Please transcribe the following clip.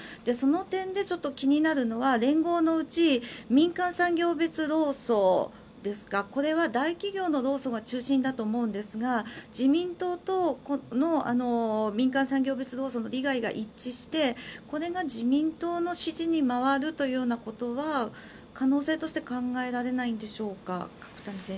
その点で気になるのは連合のうち民間産業別労組ですかこれは大企業の労組が中心だと思いますが自民党の民間産業別労組の利害が一致して、これが自民党の支持に回るということは可能性として考えられないんでしょうか。